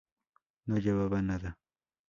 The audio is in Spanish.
No llevaba nada.